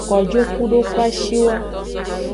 Kojo kudo kwashiwa.